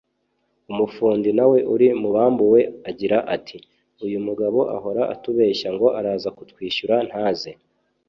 umufundi na we uri mu bambuwe agira ati “Uyu mugabo ahora atubeshya ngo araza kutwishyura ntaze